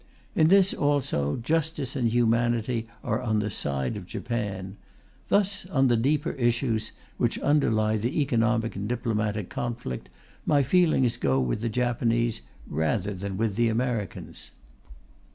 In this, also, justice and humanity are on the side of Japan. Thus on the deeper issues, which underlie the economic and diplomatic conflict, my feelings go with the Japanese rather than with the Americans.